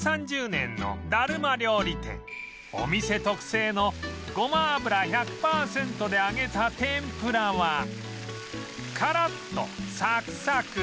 お店特製のごま油１００パーセントで揚げた天ぷらはカラッとサクサク